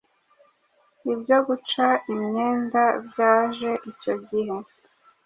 Ibyo guca imyenda byaje icyo gihe